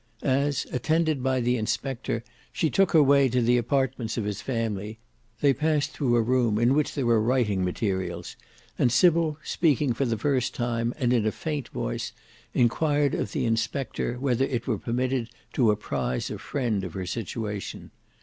As, attended by the inspector, she took her way to the apartments of his family, they passed through a room in which there were writing materials, and Sybil speaking for the first time and in a faint voice enquired of the inspector whether it were permitted to apprise a friend of her situation.